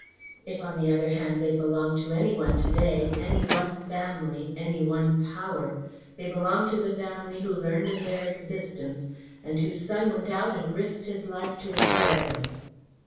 If, on the other hand, they belong to any one to day, any one family, any one power, they belong to the family who learned of their existence and whose son went out and risked his life to acquire them."